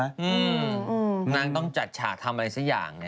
นางต้องจัดฉากทำอะไรสักอย่าง